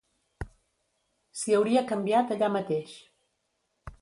S'hi hauria canviat allà mateix.